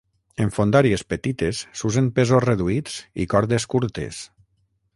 En fondàries petites s’usen pesos reduïts i cordes curtes.